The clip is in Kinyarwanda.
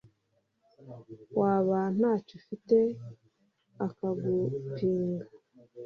Waba ntacyo ufite akagupinga